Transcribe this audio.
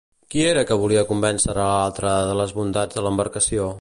Qui era que volia convèncer a l'altre de les bondats de l'embarcació?